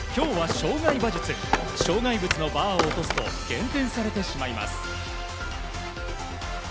障害物のバーを落とすと減点されてしまいます。